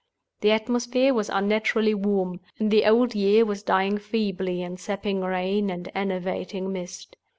The atmosphere was unnaturally warm, and the old year was dying feebly in sapping rain and enervating mist.